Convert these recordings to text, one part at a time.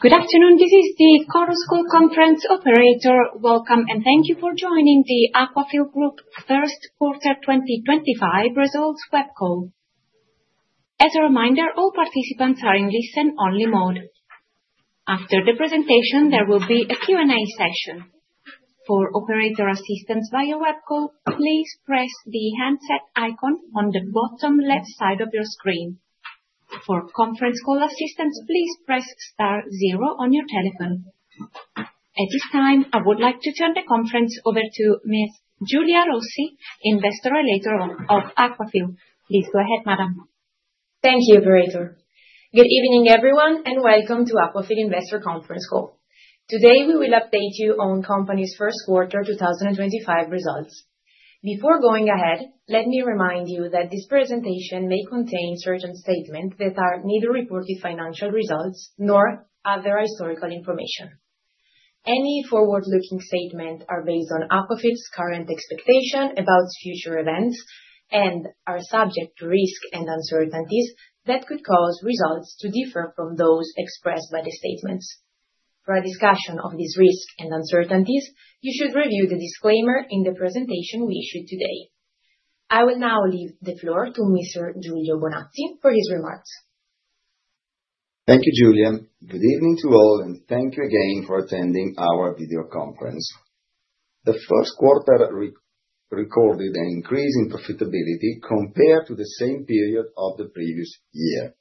Good afternoon. This is the conference call conference operator. Welcome, and thank you for joining the Aquafil Group first quarter 2025 results web call. As a reminder, all participants are in listen-only mode. After the presentation, there will be a Q&A session. For operator assistance via web call, please press the handset icon on the bottom left side of your screen. For conference call assistance, please press star zero on your telephone. At this time, I would like to turn the conference over to Ms. Giulia Rossi, investor relator of Aquafil. Please go ahead, madam. Thank you, operator. Good evening, everyone, and welcome to Aquafil Investor Conference Call. Today, we will update you on company's first quarter 2025 results. Before going ahead, let me remind you that this presentation may contain certain statements that are neither reported financial results nor other historical information. Any forward-looking statements are based on Aquafil's current expectation about future events and are subject to risks and uncertainties that could cause results to differ from those expressed by the statements. For a discussion of these risks and uncertainties, you should review the disclaimer in the presentation we issued today. I will now leave the floor to Mr. Giulio Bonazzi for his remarks. Thank you, Giulia. Good evening to all and thank you again for attending our video conference. The first quarter recorded an increase in profitability compared to the same period of the previous year.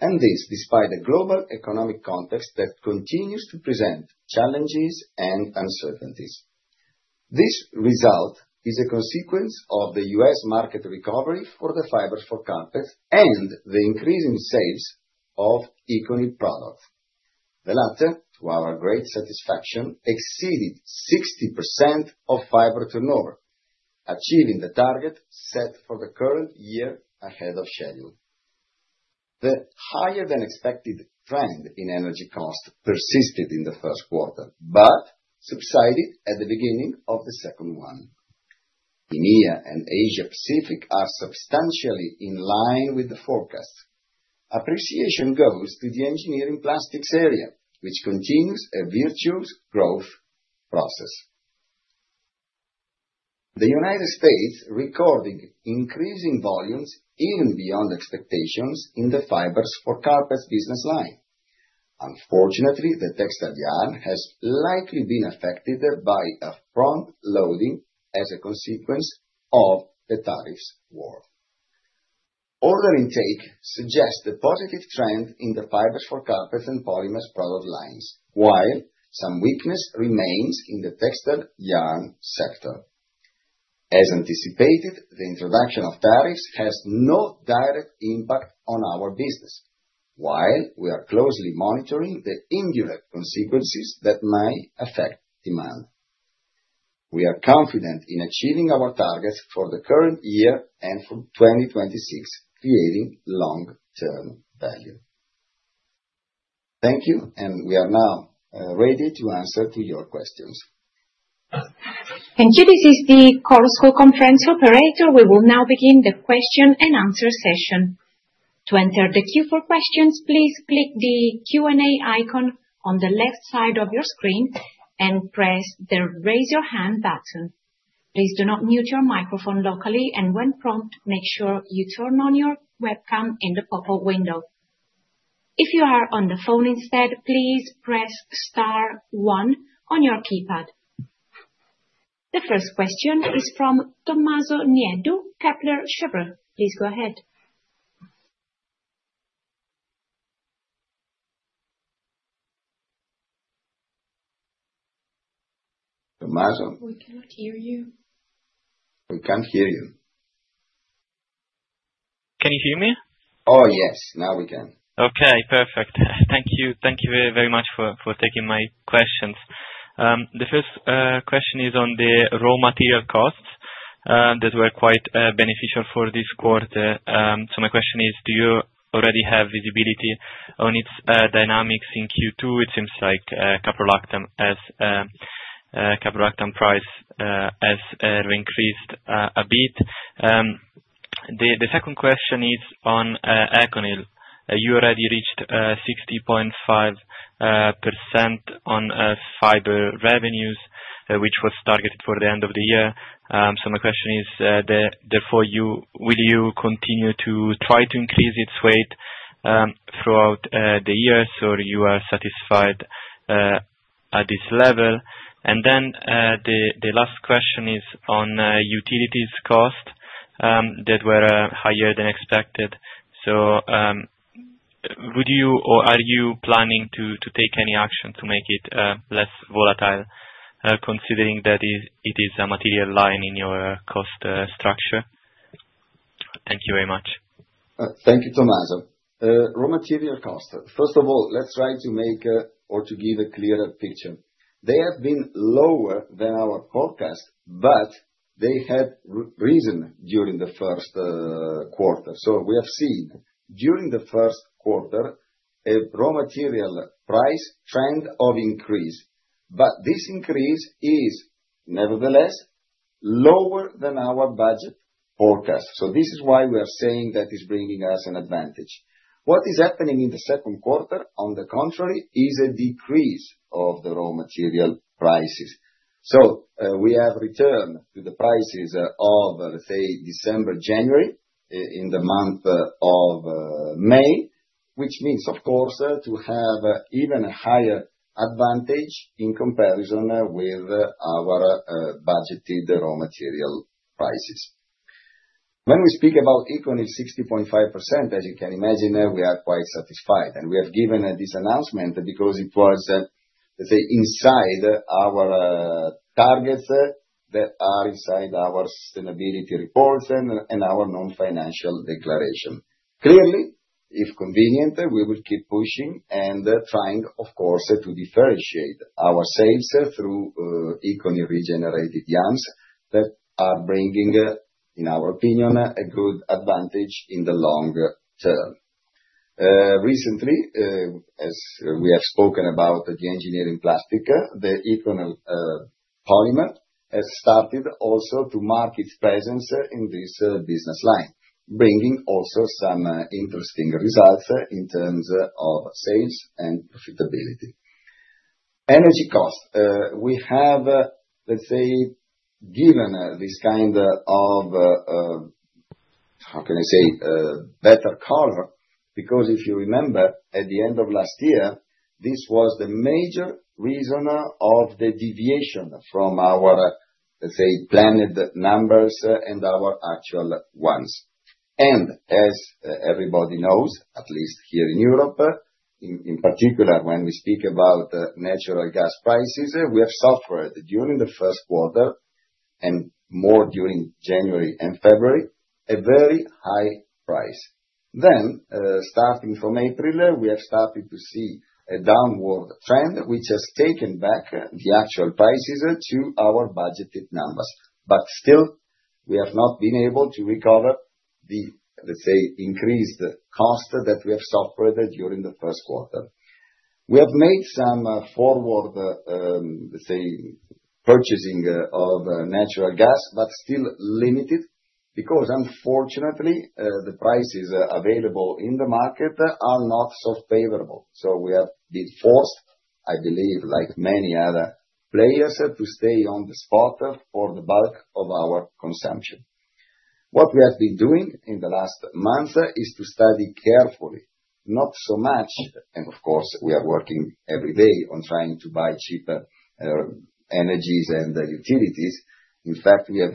This, despite the global economic context that continues to present challenges and uncertainties. This result is a consequence of the U.S. market recovery for the fibers for carpet and the increase in sales of eco product. The latter, to our great satisfaction, exceeded 60% of fiber turnover, achieving the target set for the current year ahead of schedule. The higher-than-expected trend in energy cost persisted in the first quarter, but subsided at the beginning of the second one. EMEA and Asia Pacific are substantially in line with the forecast. Appreciation goes to the engineering plastics area, which continues a virtuous growth process. The United States recorded increasing volumes even beyond expectations in the fibers for carpets business line. Unfortunately, the textile yarn has likely been affected by a front-loading as a consequence of the tariffs war. Order intake suggests a positive trend in the fibers for carpets and polymers product lines, while some weakness remains in the textile yarn sector. As anticipated, the introduction of tariffs has no direct impact on our business, while we are closely monitoring the indirect consequences that might affect demand. We are confident in achieving our targets for the current year and for 2026, creating long-term value. Thank you, and we are now ready to answer to your questions. Thank you. This is the conference call conference operator. We will now begin the question-and-answer session. To enter the queue for questions, please click the Q&A icon on the left side of your screen and press the Raise Your Hand button. Please do not mute your microphone locally, and when prompted, make sure you turn on your webcam in the pop-up window. If you are on the phone instead, please press star one on your keypad. The first question is from Tommaso Nieddu, Kepler Cheuvreux. Please go ahead. Tommaso. We cannot hear you. We can't hear you. Can you hear me? Oh, yes. Now we can. Okay, perfect. Thank you. Thank you very much for taking my questions. The first question is on the raw material costs, that were quite beneficial for this quarter. My question is, do you already have visibility on its dynamics in Q2? It seems like caprolactam price has increased a bit. The second question is on ECONYL. You already reached 60.5% on fiber revenues, which was targeted for the end of the year. My question is, therefore, will you continue to try to increase its weight throughout the year, so you are satisfied at this level? The last question is on utilities cost, that were higher than expected. Are you planning to take any action to make it less volatile, considering that it is a material line in your cost structure? Thank you very much. Thank you, Tommaso. Raw material cost. First of all, let's try to make or to give a clearer picture. They have been lower than our forecast, but they had risen during the first quarter. We have seen, during the first quarter, a raw material price trend of increase. This increase is nevertheless lower than our budget forecast. This is why we are saying that is bringing us an advantage. What is happening in the second quarter, on the contrary, is a decrease of the raw material prices. We have returned to the prices of, let's say, December, January, in the month of May, which means, of course, to have even higher advantage in comparison with our budgeted raw material prices. When we speak about ECONYL 60.5%, as you can imagine, we are quite satisfied, and we have given this announcement because it was inside our targets that are inside our sustainability reports and our non-financial declaration. Clearly, if convenient, we will keep pushing and trying, of course, to differentiate our sales through ECONYL regenerated yarns that are bringing, in our opinion, a good advantage in the long term. Recently, as we have spoken about the engineering plastic, the ECONYL polymer has started also to mark its presence in this business line, bringing also some interesting results in terms of sales and profitability. Energy cost. We have, let's say, given this kind of, how can I say, better cover. Because if you remember, at the end of last year, this was the major reason of the deviation from our, let_s say, planned numbers and our actual ones. As everybody knows, at least here in Europe, in particular when we speak about natural gas prices, we have suffered during the first quarter, and more during January and February, a very high price. Starting from April, we have started to see a downward trend, which has taken back the actual prices to our budgeted numbers. Still, we have not been able to recover the, let's say, increased cost that we have suffered during the first quarter. We have made some forward, let's say, purchasing of natural gas, but still limited, because unfortunately, the prices available in the market are not so favorable. We have been forced, I believe, like many other players, to stay on the spot for the bulk of our consumption. What we have been doing in the last month is to study carefully, not so much, and of course, we are working every day on trying to buy cheaper energies and utilities. In fact, we have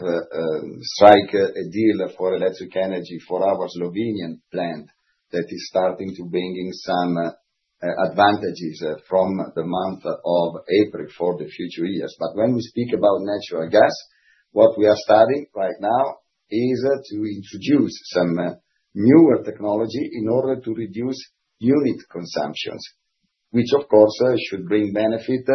strike a deal for electric energy for our Slovenian plant that is starting to bring in some advantages from the month of April for the future years. When we speak about natural gas, what we are studying right now is to introduce some newer technology in order to reduce unit consumptions, which of course, should bring benefit,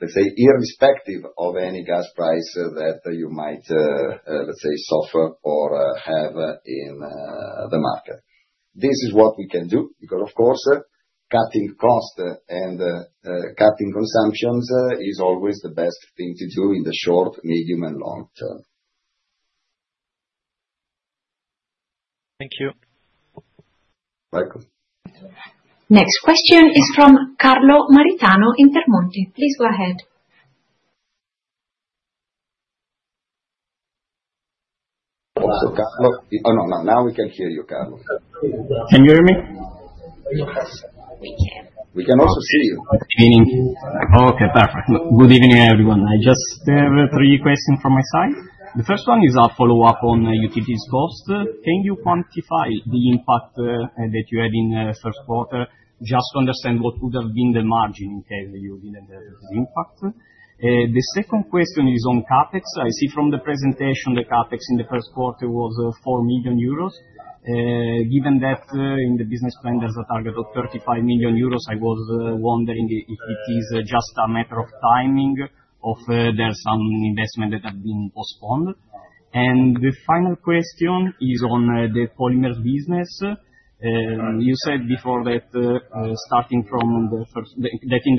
let's say, irrespective of any gas price that you might, let's say, suffer or have in the market. This is what we can do, because, of course, cutting cost and cutting consumptions is always the best thing to do in the short, medium, and long term. Thank you. Welcome. Next question is from Carlo Maritano, Intermonte. Please go ahead. now we can hear you, Carlo. Can you hear me? Yes. We can also see you. Okay, perfect. Good evening, everyone. I just have three questions from my side. The first one is a follow-up on utilities cost. Can you quantify the impact that you had in first quarter, just to understand what would have been the margin in case you didn't have this impact? The second question is on CapEx. I see from the presentation, the CapEx in the first quarter was 4 million euros. Given that in the business plan, there's a target of 35 million euros, I was wondering if it is just a matter of timing of there are some investment that are being postponed. The final question is on the polymers business. You said before that in the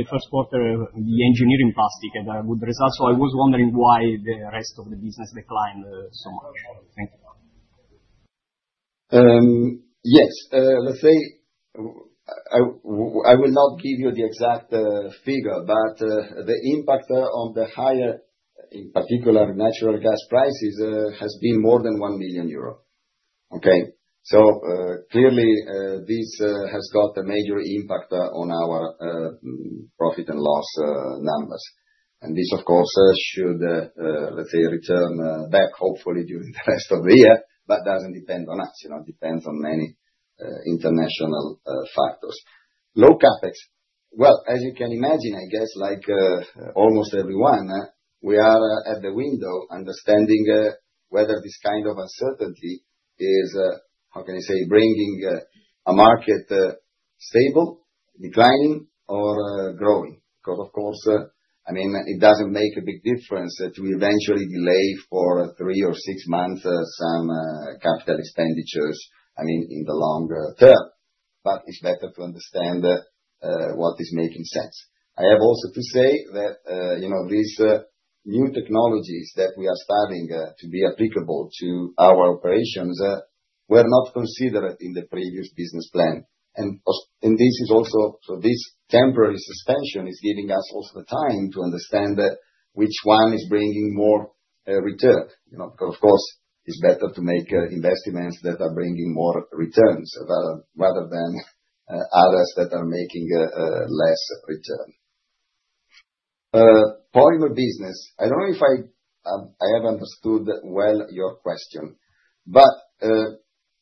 first quarter, the engineering plastic had a good result, so I was wondering why the rest of the business declined so much. Thank you. Yes. Let's say, I will not give you the exact figure, but the impact on the higher, in particular, natural gas prices, has been more than 1 million euro. Okay. Clearly, this has got a major impact on our profit and loss numbers. This, of course, should, let's say, return back hopefully during the rest of the year, but it doesn't depend on us. It depends on many international factors. Low CapEx. Well, as you can imagine, I guess like almost everyone, we are at the window understanding whether this kind of uncertainty is, how can I say, bringing a market stable, declining, or growing. Of course, it doesn't make a big difference to eventually delay for three or six months some capital expenditures, in the longer term. It's better to understand what is making sense. I have also to say that, these new technologies that we are starting to be applicable to our operations, were not considered in the previous business plan. This temporary suspension is giving us also the time to understand which one is bringing more return. Of course, it's better to make investments that are bringing more returns, rather than others that are making less return. Polymer business, I don't know if I have understood well your question.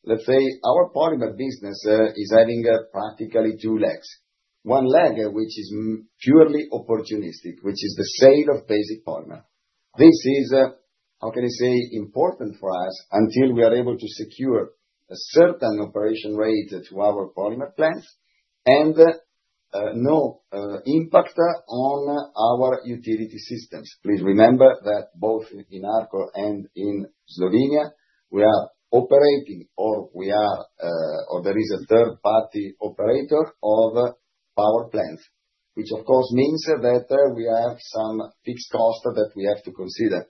Let's say our polymer business is having practically two legs. One leg which is purely opportunistic, which is the sale of basic polymer. This is, how can I say? Important for us until we are able to secure a certain operation rate to our polymer plants and no impact on our utility systems. Please remember that both in Arco and in Slovenia, we are operating, or there is a third-party operator of power plants, which of course means that we have some fixed cost that we have to consider.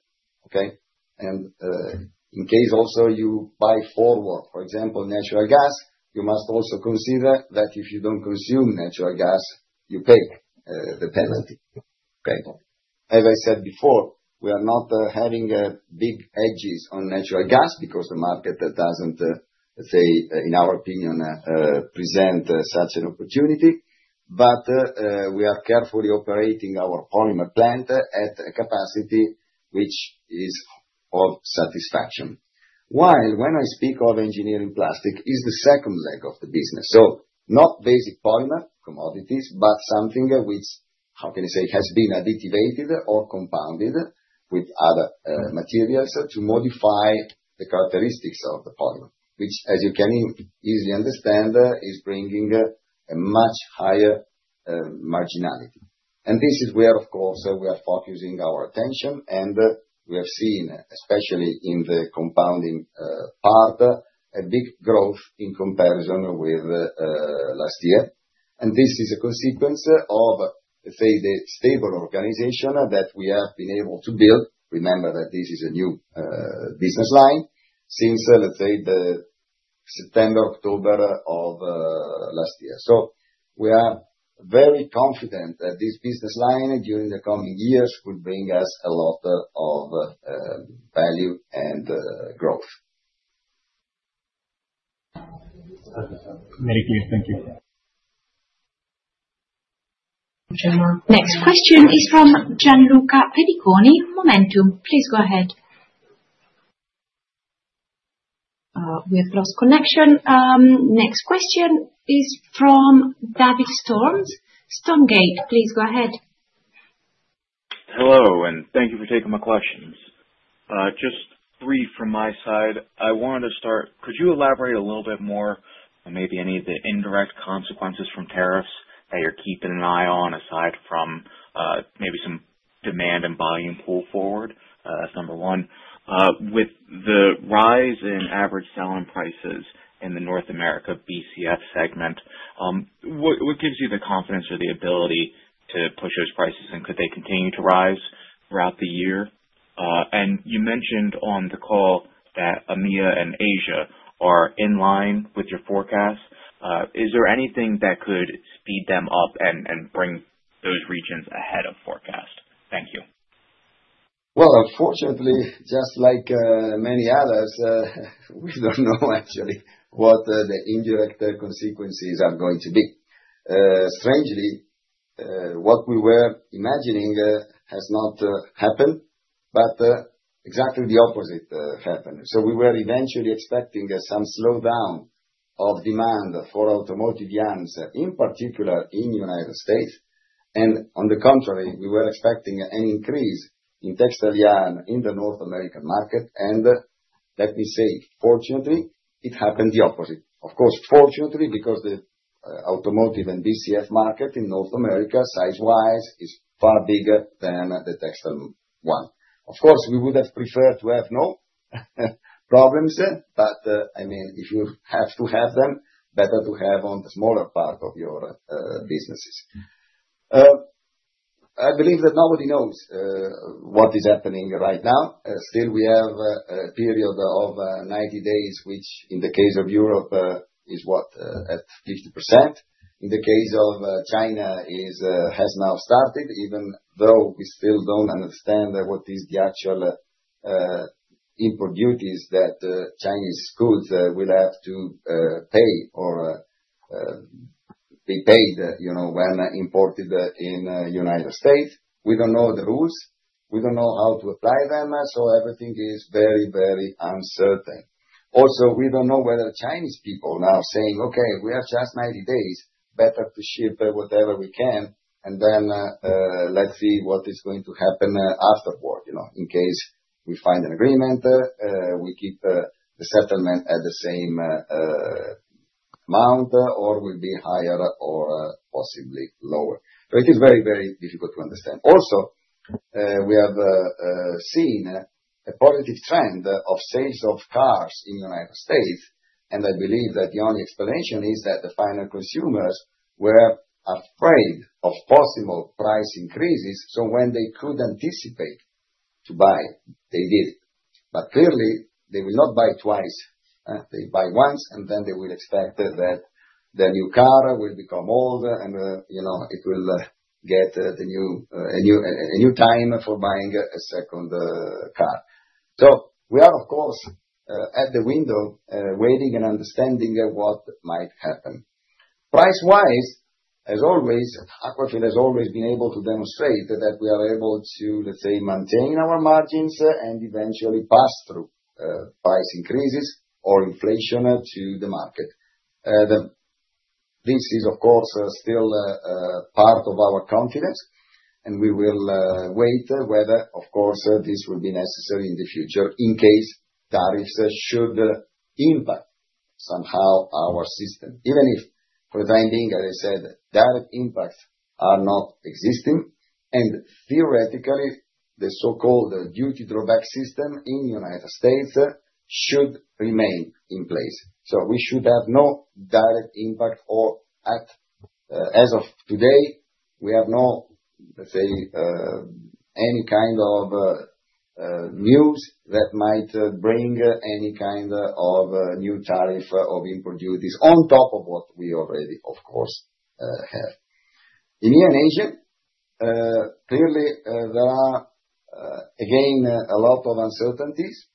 Okay. In case also you buy forward, for example, natural gas, you must also consider that if you don't consume natural gas, you pay the penalty. Okay. As I said before, we are not having big hedges on natural gas because the market doesn't, say, in our opinion, present such an opportunity. We are carefully operating our polymer plant at a capacity which is of satisfaction. While when I speak of engineering plastic is the second leg of the business. Not basic polymer commodities, but something which, how can I say? Has been additivated or compounded with other materials to modify the characteristics of the polymer, which as you can easily understand, is bringing a much higher marginality. This is where, of course, we are focusing our attention, and we have seen, especially in the compounding part, a big growth in comparison with last year. This is a consequence of, say, the stable organization that we have been able to build. Remember that this is a new business line since, let's say, the September, October of last year. We are very confident that this business line during the coming years could bring us a lot of value and growth. Maybe. Thank you. Next question is from Gianluca Pediconi, Momentum. Please go ahead. We have lost connection. Next question is from David Storms, Stormgate. Please go ahead. Hello, thank you for taking my questions. Just three from my side. I wanted to start, could you elaborate a little bit more on maybe any of the indirect consequences from tariffs that you're keeping an eye on, aside from maybe some demand and buying pull forward? That's number one. With the rise in average selling prices in the North America BCF segment, what gives you the confidence or the ability to push those prices? Could they continue to rise throughout the year? You mentioned on the call that EMEA and Asia are in line with your forecast. Is there anything that could speed them up and bring those regions ahead of forecast? Thank you. Well, unfortunately, just like many others, we don't know actually what the indirect consequences are going to be. Strangely, what we were imagining has not happened, but exactly the opposite happened. We were eventually expecting some slowdown of demand for automotive yarns, in particular in U.S. On the contrary, we were expecting an increase in textile yarn in the North American market, and let me say, fortunately, it happened the opposite. Of course, fortunately, because the automotive and BCF market in North America, size-wise, is far bigger than the textile one. Of course, we would have preferred to have no problems, but if you have to have them, better to have on the smaller part of your businesses. I believe that nobody knows what is happening right now. Still we have a period of 90 days, which in the case of Europe, is what? At 50%. In the case of China, has now started, even though we still don't understand what is the actual import duties that Chinese goods will have to pay or be paid when imported in U.S. We don't know the rules. We don't know how to apply them. Everything is very uncertain. We don't know whether Chinese people now are saying, "Okay, we have just 90 days, better to ship whatever we can, and then, let's see what is going to happen afterward." In case we find an agreement, we keep the settlement at the same amount, or will be higher or possibly lower. It is very difficult to understand. We have seen a positive trend of sales of cars in U.S., and I believe that the only explanation is that the final consumers were afraid of possible price increases, so when they could anticipate to buy, they did. Clearly they will not buy twice. They buy once, and then they will expect that the new car will become old, and it will get a new time for buying a second car. We are, of course, at the window, waiting and understanding what might happen. Price-wise, as always, Aquafil has always been able to demonstrate that we are able to, let's say, maintain our margins and eventually pass through price increases or inflation to the market. This is, of course, still part of our confidence, and we will wait whether, of course, this will be necessary in the future in case tariffs should impact somehow our system. Even if pretending, as I said, direct impacts are not existing, and theoretically, the so-called duty drawback system in the U.S. should remain in place. We should have no direct impact, or as of today, we have no, let's say, any kind of news that might bring any kind of new tariff of import duties on top of what we already, of course, have. EMEA and Asia, clearly, there are, again, a lot of uncertainties.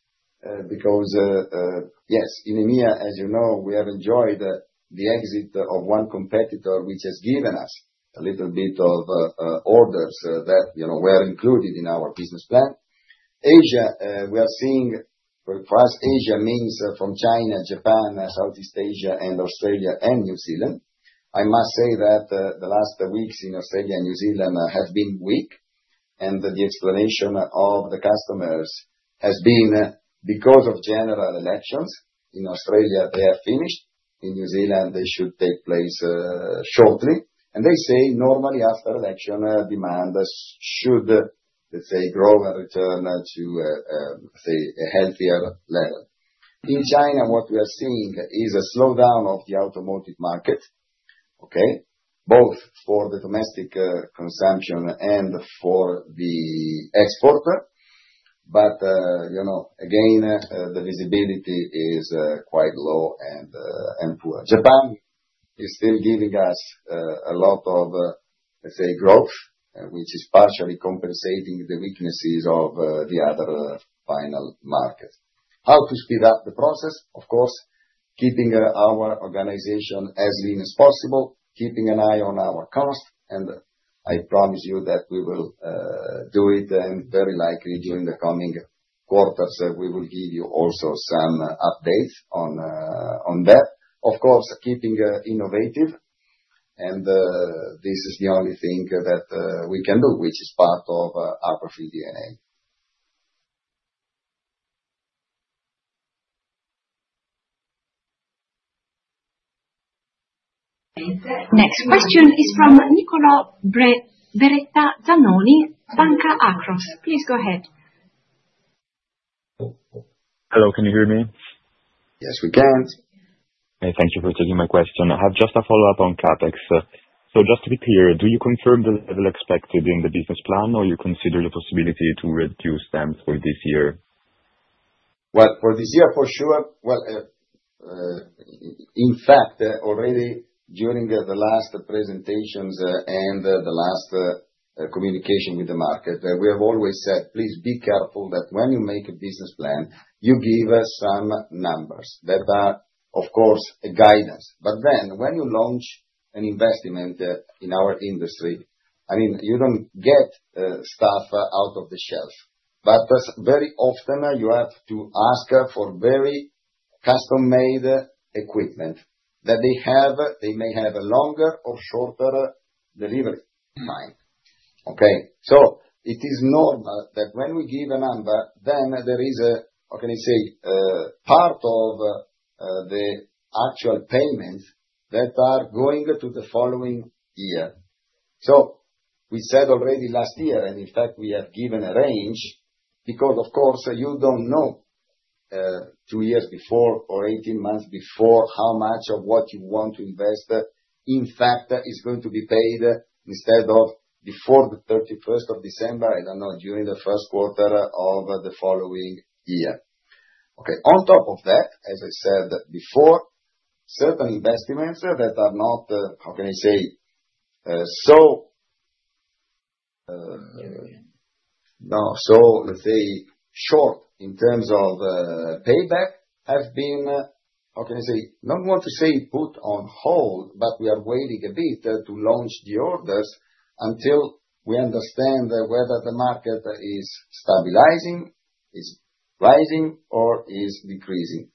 Yes, in EMEA, as you know, we have enjoyed the exit of one competitor, which has given us a little bit of orders that were included in our business plan. Asia, for us, Asia means from China, Japan, Southeast Asia and Australia and New Zealand. I must say that the last weeks in Australia and New Zealand have been weak, and the explanation of the customers has been because of general elections. In Australia, they are finished. In New Zealand, they should take place shortly. They say normally after election, demand should, let's say, grow and return to, let's say, a healthier level. In China, what we are seeing is a slowdown of the automotive market, okay, both for the domestic consumption and for the export. Again, the visibility is quite low and poor. Japan is still giving us a lot of, let's say, growth, which is partially compensating the weaknesses of the other final markets. How to speed up the process? Of course, keeping our organization as lean as possible, keeping an eye on our cost. I promise you that we will do it, and very likely during the coming quarters, we will give you also some updates on that. Of course, keeping innovative. This is the only thing that we can do, which is part of our Aquafil DNA. Next question is from Niccolò Beretta Zanoni, Banca Akros. Please go ahead. Hello, can you hear me? Yes, we can. Thank you for taking my question. I have just a follow-up on CapEx. Just to be clear, do you confirm the level expected in the business plan, or you consider the possibility to reduce them for this year? Well, for this year, for sure. In fact, already during the last presentations and the last communication with the market, we have always said, please be careful that when you make a business plan, you give us some numbers that are, of course, a guidance. When you launch an investment in our industry, you don't get stuff out of the shelf. Very often you have to ask for very custom-made equipment that they may have a longer or shorter delivery time. Okay? It is normal that when we give a number, then there is a, how can I say, part of the actual payment that are going to the following year. We said already last year, in fact, we have given a range because, of course, you don't know, 2 years before or 18 months before, how much of what you want to invest, in fact, is going to be paid instead of before the 31st of December, during the first quarter of the following year. Okay. On top of that, as I said before, certain investments that are not, how can I say? Let's say, short in terms of payback have been, how can I say, not want to say put on hold, but we are waiting a bit to launch the orders until we understand whether the market is stabilizing, is rising, or is decreasing.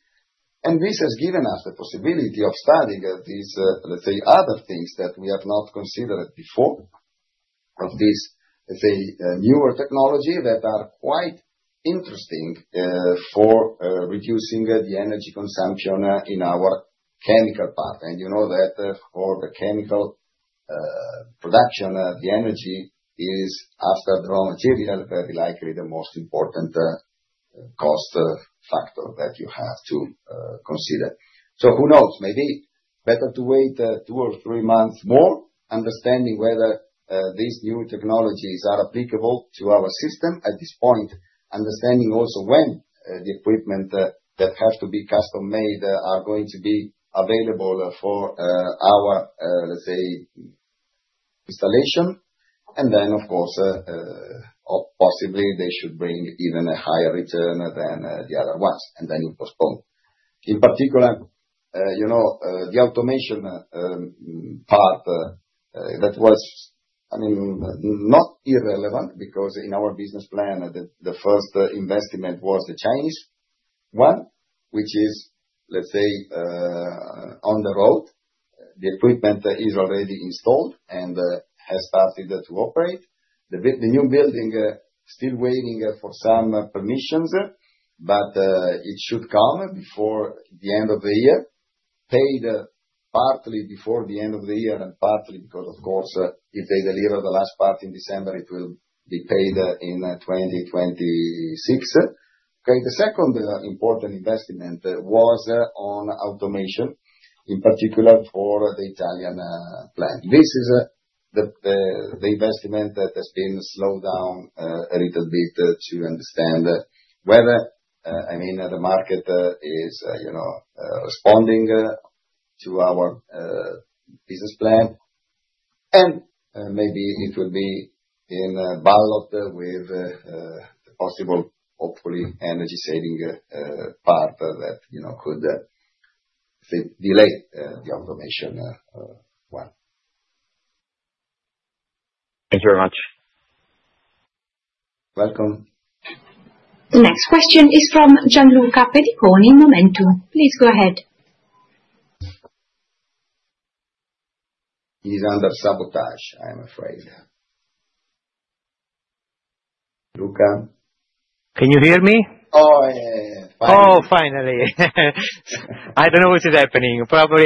This has given us the possibility of studying these, let's say, other things that we have not considered before of this, let's say, newer technology that are quite interesting, for reducing the energy consumption in our chemical part. You know that for the chemical production of the energy is, after raw material, very likely the most important cost factor that you have to consider. Who knows, maybe better to wait 2 or 3 months more, understanding whether these new technologies are applicable to our system at this point, understanding also when the equipment that has to be custom made are going to be available for our, let's say, installation. Of course, possibly they should bring even a higher return than the other ones, then you postpone. In particular, the automation part, that was not irrelevant, because in our business plan, the first investment was the Chinese one, which is, let's say, on the road. The equipment is already installed and has started to operate. The new building, still waiting for some permissions, but it should come before the end of the year, paid partly before the end of the year, and partly because, of course, if they deliver the last part in December, it will be paid in 2026. Okay, the second important investment was on automation, in particular for the Italian plant. This is the investment that has been slowed down a little bit to understand whether the market is responding to our business plan. Maybe it will be in ballot with the possible, hopefully, energy saving part that could delay the automation one. Thank you very much. Welcome. The next question is from Gianluca Pediconi, MOMentum. Please go ahead. He's under sabotage, I'm afraid. Luca? Can you hear me? Oh, yeah. Finally. Oh, finally. I don't know what is happening. Probably,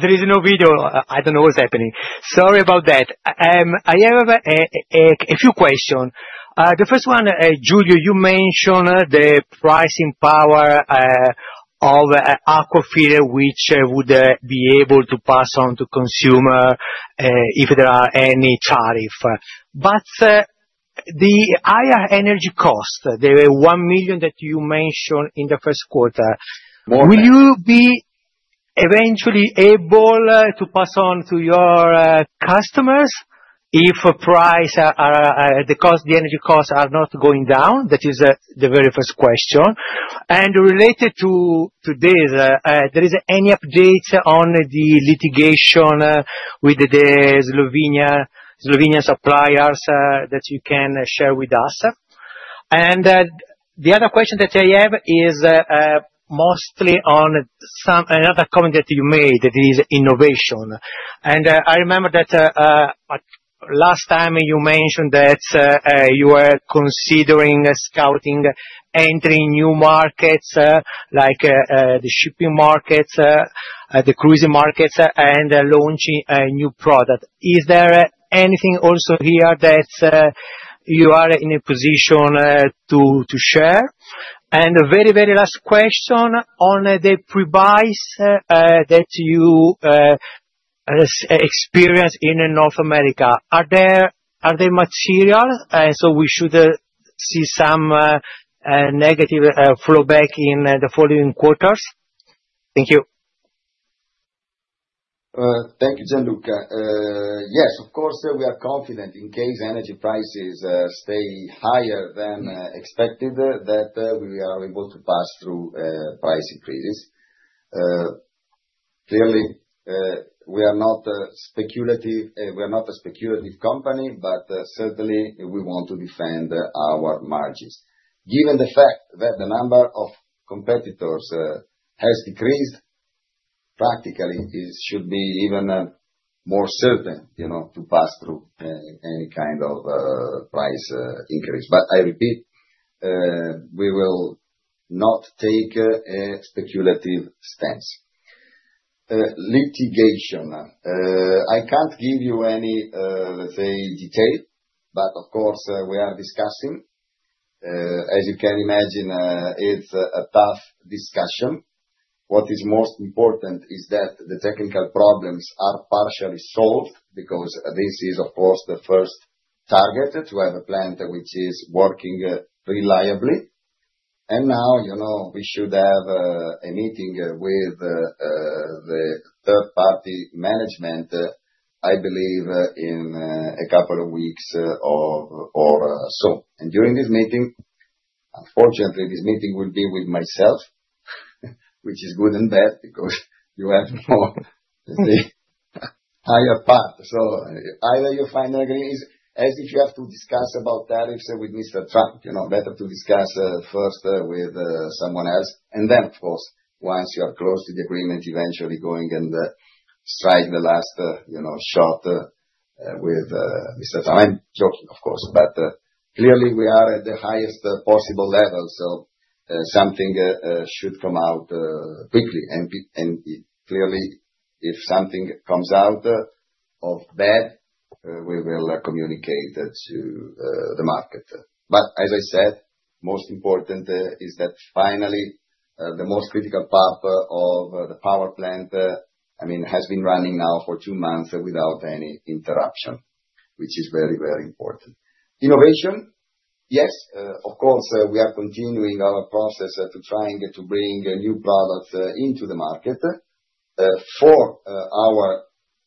there is no video. I don't know what's happening. Sorry about that. I have a few questions. The first one, Giulio, you mentioned the pricing power of Aquafil which would be able to pass on to consumer, if there are any tariff. But the higher energy cost, the 1 million that you mentioned in the first quarter- More. will you be eventually able to pass on to your customers if the energy costs are not going down? That is the very first question. Related to this, there is any update on the litigation with the Slovenia suppliers that you can share with us? The other question that I have is mostly on another comment that you made, that is innovation. I remember that last time you mentioned that you were considering scouting, entering new markets like the shipping markets, the cruising markets, and launching a new product. Is there anything also here that you are in a position to share? Very last question on the pre-buys that you experienced in North America. Are they material, so we should see some negative flow back in the following quarters? Thank you. Thank you, Gianluca. Yes, of course, we are confident in case energy prices stay higher than expected, that we are able to pass through price increases. Clearly, we are not a speculative company, but certainly, we want to defend our margins. Given the fact that the number of competitors has decreased, practically, it should be even more certain to pass through any kind of price increase. I repeat, we will not take a speculative stance. Litigation. I can't give you any, let's say, detail, but of course, we are discussing. As you can imagine, it's a tough discussion. What is most important is that the technical problems are partially solved, because this is, of course, the first target, to have a plant which is working reliably. Now, we should have a meeting with the third party management, I believe, in a couple of weeks or so. During this meeting, unfortunately, this meeting will be with myself, which is good and bad because you have more, let's say, higher part. Either you find agrees, as if you have to discuss about tariffs with Mr. Trump. Better to discuss first with someone else, then, of course, once you are close to the agreement, eventually going and strike the last shot with Mr. Trump. I'm joking, of course. Clearly, we are at the highest possible levels of Something should come out quickly. Clearly, if something comes out of that, we will communicate that to the market. As I said, most important is that finally, the most critical part of the power plant has been running now for two months without any interruption, which is very important. Innovation. Yes, of course, we are continuing our process to try to bring new products into the market for our,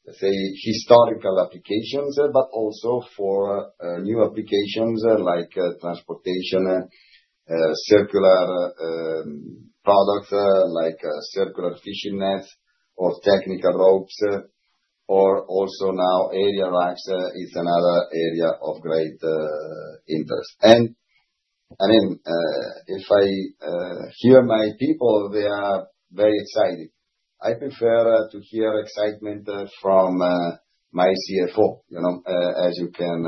say, historical applications, but also for new applications like transportation, circular products, like circular fishing nets or technical ropes, or also now aerial rocks is another area of great interest. If I hear my people, they are very excited. I prefer to hear excitement from my CFO, as you can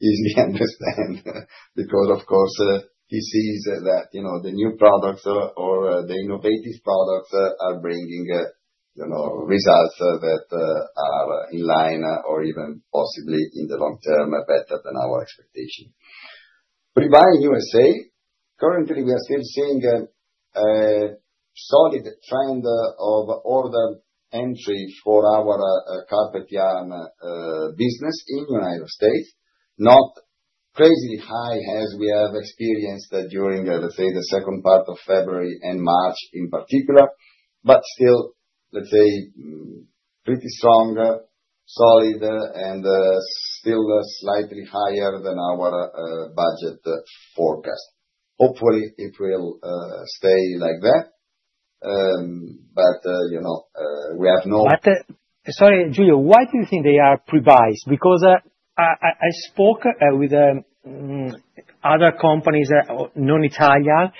easily understand, because, of course, he sees that the new products or the innovative products are bringing results that are in line or even possibly in the long term, better than our expectation. Pre-buy in USA. Currently, we are still seeing a solid trend of order entry for our carpet yarn business in the United States. Not crazy high as we have experienced during, let's say, the second part of February and March in particular, still, let's say pretty strong, solid, and still slightly higher than our budget forecast. Hopefully it will stay like that. We have no- Sorry, Giulio, why do you think they are pre-buy? I spoke with other companies, non-Italia,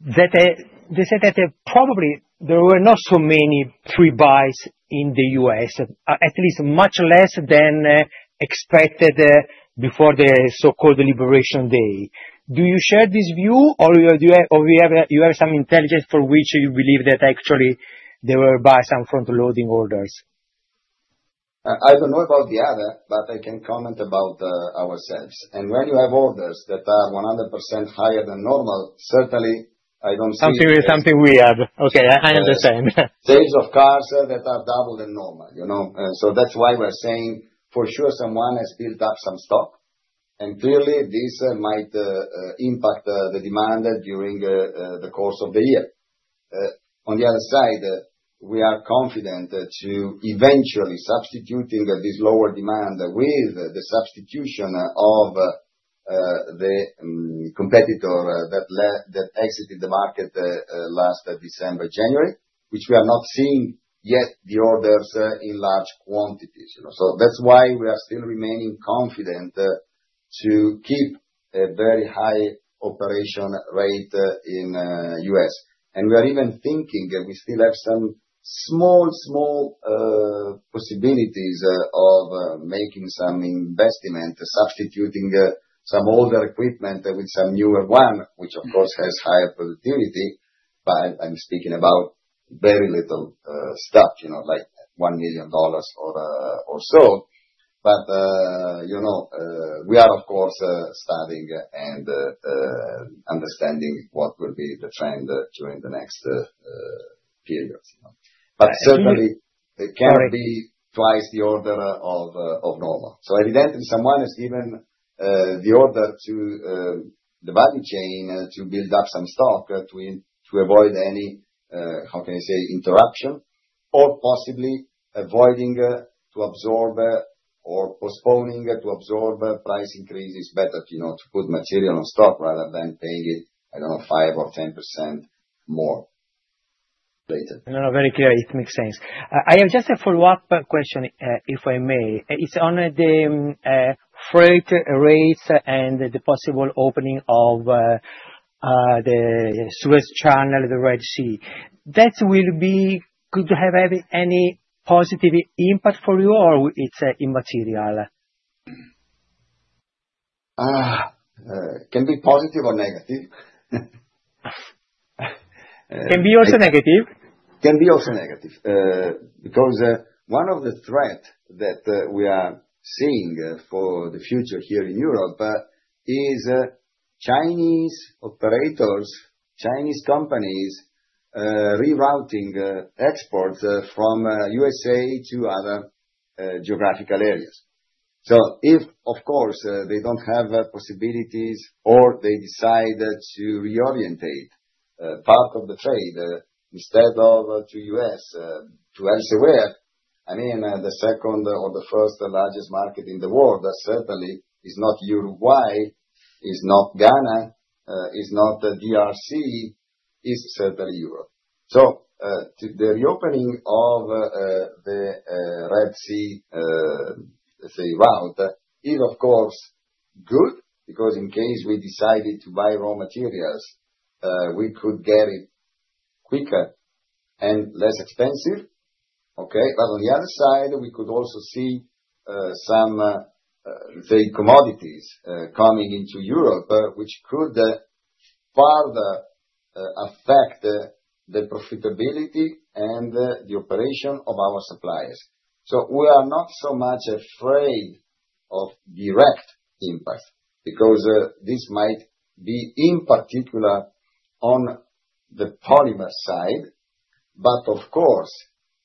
they said that probably there were not so many pre-buys in the U.S. At least much less than expected before the so-called liberation day. Do you share this view or you have some intelligence for which you believe that actually they will buy some front loading orders? I don't know about the other, but I can comment about ourselves. When you have orders that are 100% higher than normal, certainly I don't see- Something weird. Okay, I understand. Sales of cars that are double than normal. That's why we're saying for sure someone has built up some stock. Clearly, this might impact the demand during the course of the year. On the other side, we are confident to eventually substituting this lower demand with the substitution of the competitor that exited the market last December, January, which we have not seen yet the orders in large quantities. That's why we are still remaining confident to keep a very high operation rate in U.S. We are even thinking, we still have some small possibilities of making some investment, substituting some older equipment with some newer one, which of course has higher productivity. I'm speaking about very little stuff, like EUR 1 million or so. We are, of course, starting and understanding what will be the trend during the next periods. Certainly, it cannot be twice the order of normal. Evidently, someone has given the order to the value chain to build up some stock to avoid any, how can I say, interruption or possibly avoiding to absorb or postponing to absorb price increases. Better to put material on stock rather than paying it, I don't know, 5% or 10% more later. No, very clear. It makes sense. I have just a follow-up question, if I may. It's on the freight rates and the possible opening of the Suez Canal, the Red Sea. That will be good to have any positive impact for you, or it's immaterial? Can be positive or negative. Can be also negative? It can be also negative. Because one of the threats that we are seeing for the future here in Europe is Chinese operators, Chinese companies, rerouting exports from USA to other geographical areas. If, of course, they don't have possibilities or they decide to reorientate part of the trade instead of to U.S., to elsewhere, the second or the first largest market in the world, that certainly is not Uruguay, is not Ghana, is not the DRC, is certainly Europe. The reopening of the Red Sea route is of course good because in case we decided to buy raw materials, we could get it quicker and less expensive. Okay. On the other side, we could also see some trade commodities coming into Europe, which could further affect the profitability and the operation of our suppliers. We are not so much afraid of direct impact because this might be in particular on the polymer side. Of course,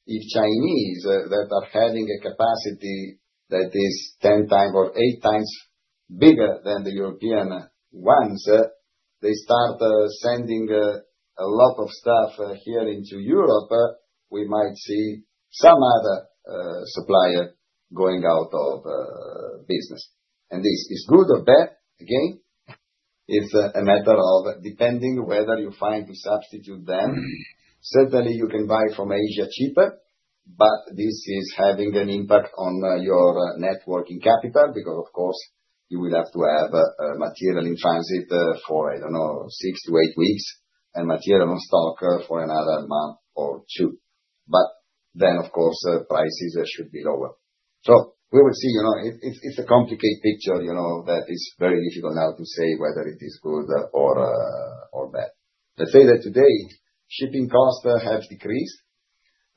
if Chinese that are having a capacity that is 10 times or 8 times bigger than the European ones, they start sending a lot of stuff here into Europe, we might see some other supplier going out of business. This is good or bad, again, it's a matter of depending whether you find to substitute them. Certainly, you can buy from Asia cheaper, but this is having an impact on your networking capital, because of course, you will have to have material in transit for, I don't know, six to eight weeks, and material on stock for another month or two. Of course, prices should be lower. We will see. It's a complicated picture that is very difficult now to say whether it is good or bad. Let's say that today, shipping costs have decreased.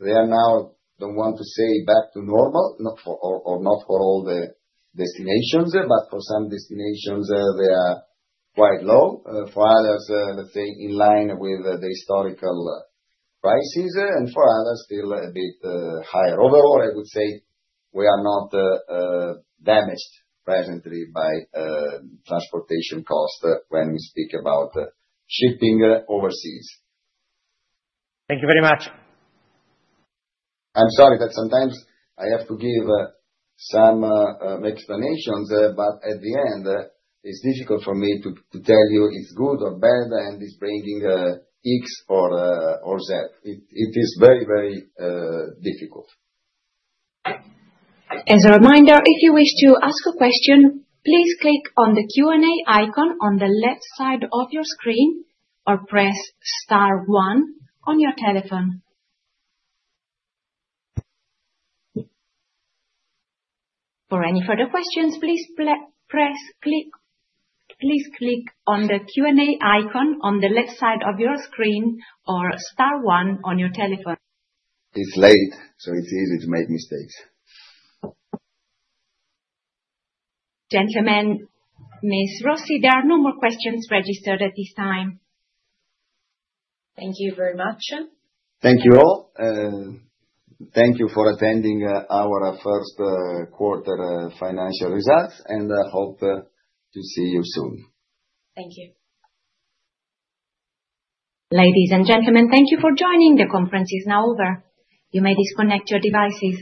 They are now, don't want to say back to normal, or not for all the destinations, but for some destinations, they are quite low. For others, let's say in line with the historical prices, and for others, still a bit higher. Overall, I would say we are not damaged presently by transportation cost when we speak about shipping overseas. Thank you very much. I'm sorry that sometimes I have to give some explanations, but at the end, it's difficult for me to tell you it's good or bad, and it's bringing X or Z. It is very difficult. As a reminder, if you wish to ask a question, please click on the Q&A icon on the left side of your screen, or press star one on your telephone. For any further questions, please click on the Q&A icon on the left side of your screen, or star one on your telephone. It's late, so it's easy to make mistakes. Gentlemen, Ms. Rossi, there are no more questions registered at this time. Thank you very much. Thank you all. Thank you for attending our first quarter financial results. Hope to see you soon. Thank you. Ladies and gentlemen, thank you for joining. The conference is now over. You may disconnect your devices.